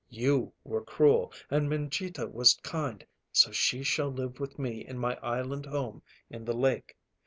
You were cruel and Mangita was kind, so she shall live with me in my island home in the lake.